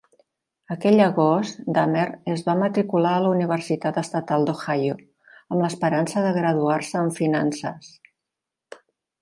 Aquell agost, Dahmer es va matricular a la Universitat Estatal d'Ohio, amb l'esperança de graduar-se en finances.